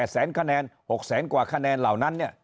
แสนคะแนน๖แสนกว่าคะแนนเหล่านั้น